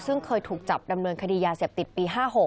ซึ่งเคยถูกจับดำเนินคดียาเสพติดปี๕๖